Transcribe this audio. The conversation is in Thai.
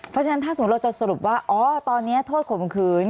เพราะฉะนั้นถ้าสมมุติเราจะสรุปว่าอ๋อตอนนี้โทษข่มขืน